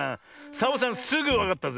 サボさんすぐわかったぜ。